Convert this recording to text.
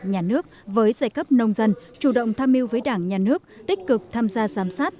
nhà nước với giai cấp nông dân chủ động tham mưu với đảng nhà nước tích cực tham gia giám sát